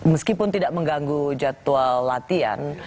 meskipun tidak mengganggu jadwal latihan